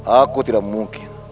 aku tidak mungkin